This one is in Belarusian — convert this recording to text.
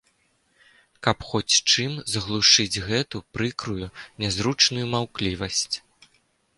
Каб хоць чым заглушыць гэту прыкрую, нязручную маўклівасць.